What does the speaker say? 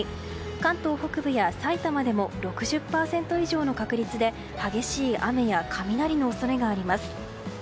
関東北部や埼玉でも６０％以上の確率で激しい雨や雷の恐れがあります。